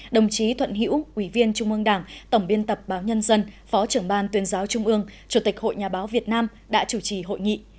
đồng chí thuận hữu ủy viên trung ương đảng tổng biên tập báo nhân dân phó trưởng ban tuyên giáo trung ương chủ tịch hội nhà báo việt nam đã chủ trì hội nghị